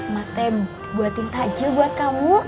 matanya buatin tajil buat kamu